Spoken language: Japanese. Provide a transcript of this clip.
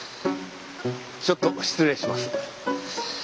ちょっと失礼します。